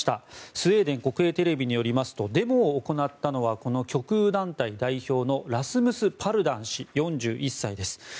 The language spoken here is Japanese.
スウェーデン国営テレビによりますとデモを行ったのはこの極右団体代表のラスムス・パルダン氏４１歳です。